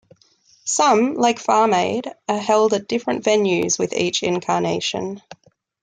Some, like Farm Aid are held at different venues with each incarnation.